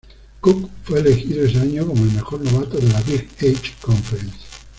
Cook fue elegido ese año como el mejor novato de la Big Eight Conference.